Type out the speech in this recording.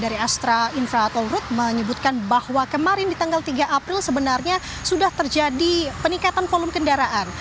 infra infra tolrut menyebutkan bahwa kemarin di tanggal tiga april sebenarnya sudah terjadi peningkatan volume kendaraan